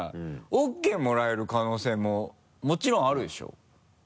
ＯＫもらえる可能性ももちろんあるでしょ？